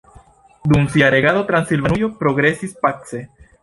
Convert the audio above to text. Dum sia regado Transilvanujo progresis pace.